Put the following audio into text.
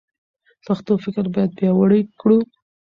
پښتو فکر باید پیاوړی کړو.